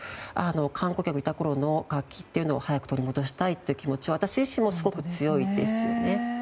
観光客がいたころの活気というのを早く取り戻したいのは私自身もすごく強いですね。